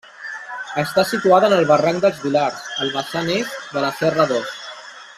Està situada en el barranc dels Vilars, el vessant est de la serra d'Os.